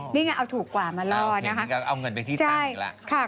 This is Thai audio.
นี่ไงเอาถูกกว่ามารอเอาเงินไปที่ตั้งแล้ว